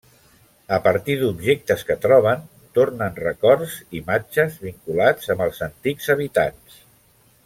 A partir d'objectes que troben, tornen records, imatges vinculats amb els antics habitants.